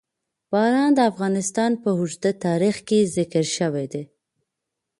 باران د افغانستان په اوږده تاریخ کې ذکر شوي دي.